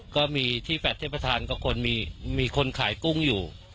ก็มีที่แฟดเทพธานก็มีคนขายกุ้งอยู่